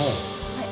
はい。